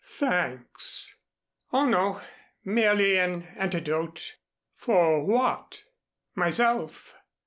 Thanks." "Oh, no; merely an antidote." "For what?" "Myself.